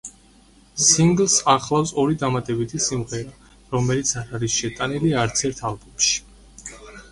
სინგლს ახლავს ორი დამატებითი სიმღერა, რომელიც არ არის შეტანილი არც ერთ ალბომში.